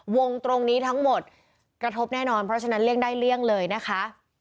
วงตรงนี้ทั้งหมดกระทบแน่นอนเพราะฉะนั้นเลี่ยงได้เลี่ยงเลยนะคะ